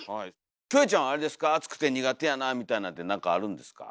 キョエちゃんはあれですか暑くて苦手やなみたいなのって何かあるんですか？